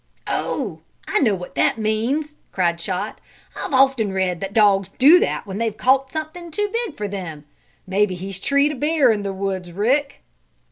"Oh, I know what that means!" cried Chot. "I've often read that dogs do that when they've caught something too big for them. Maybe he's treed a bear in the woods, Rick!"